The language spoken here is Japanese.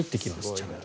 ちゃんと。